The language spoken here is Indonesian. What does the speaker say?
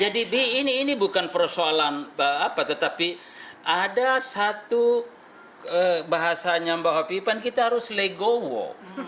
jadi ini bukan persoalan apa tetapi ada satu bahasanya mbak hafifah kita harus legowo